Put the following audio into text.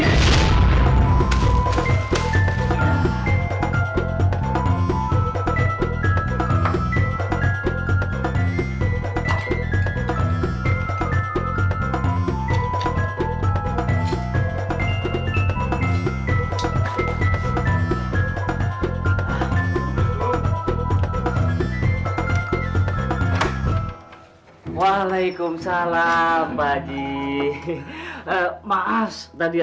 tidak boleh pak ustadz